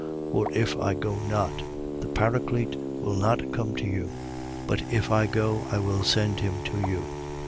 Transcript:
For if I go not, the Paraclete will not come to you: but if I go, I will send him to you.